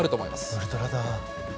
ウルトラだ。